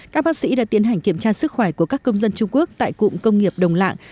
các bác sĩ đã tiến hành kiểm tra sức khỏe của các công dân trung quốc tại cụm công nghiệp đồng lạng